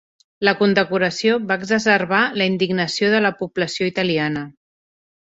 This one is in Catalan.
La condecoració va exacerbar la indignació de la població italiana.